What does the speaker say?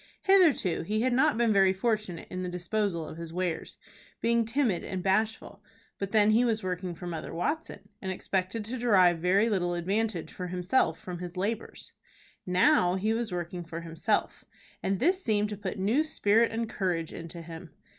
Hitherto he had not been very fortunate in the disposal of his wares, being timid and bashful; but then he was working for Mother Watson, and expected to derive very little advantage for himself from his labors. Now he was working for himself, and this seemed to put new spirit and courage into him.